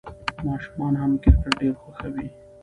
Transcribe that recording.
ماشومان هم کرکټ ډېر خوښوي.